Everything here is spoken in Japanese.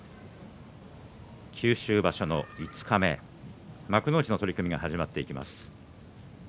九州場所、五日目幕内の取組が始まっていきます。